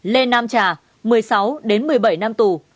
lê nam trà một mươi sáu đến một mươi bảy năm tù